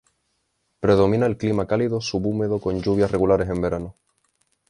Predomina el clima cálido subhúmedo con lluvias regulares en verano.